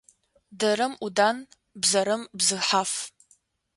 Дэрэм ӏудан, бзэрэм бзыхьаф.